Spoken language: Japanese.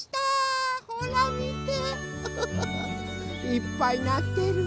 いっぱいなってる。